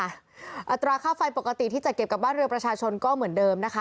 อัตราค่าไฟปกติที่จะเก็บกับบ้านเรือประชาชนก็เหมือนเดิมนะคะ